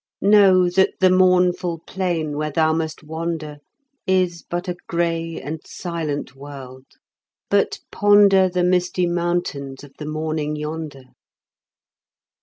Know that the mournful plain where thou must wander Is but a gray and silent world, but ponder The misty mountains of the morning yonder.